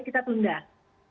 kita tunda sampai kondisi membaik